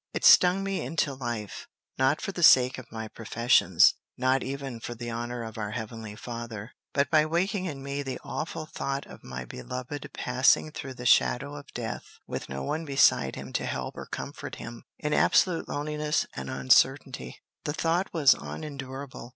It stung me into life, not for the sake of my professions, not even for the honor of our heavenly Father, but by waking in me the awful thought of my beloved passing through the shadow of death with no one beside him to help or comfort him, in absolute loneliness and uncertainty. The thought was unendurable.